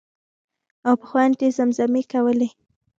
او په خوند یې زمزمې کولې.